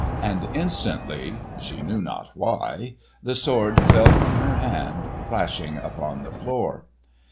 And instantly, she knew not why, the sword fell from her hand clashing upon the floor.